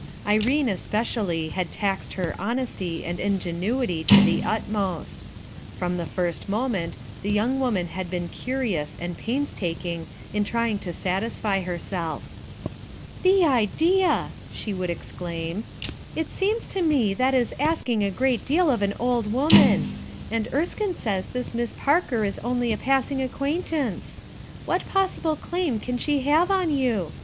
Irene, especially, had taxed her honesty and THEY HATED MYSTERY 259 ingenuity to the utmost From the first mo* ment, the young woman had been curious and painstaking in trying to satisfy herself. "The idea!" she would exclaim, "It seems to me that is asking a great deal of an old woman ; and Erskine says this Miss Parker is only a pass ing acquaintance. What possible claim can she have on you?